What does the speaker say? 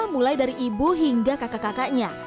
mulai dari ibu hingga kakak kakaknya